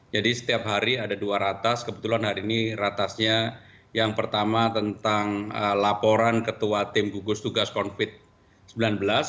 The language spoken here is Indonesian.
jadi setiap hari ada dua ratas kebetulan hari ini ratasnya yang pertama tentang laporan ketua tim kugus tugas konfit xix